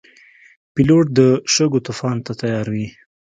پیلوټ د شګو طوفان ته تیار وي.